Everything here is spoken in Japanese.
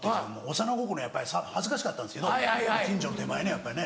幼心に恥ずかしかったんですけど近所の手前ねやっぱりね。